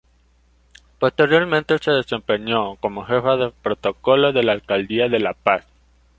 Posteriormente se desempeñó como jefa de protocolo de la alcaldía de La Paz.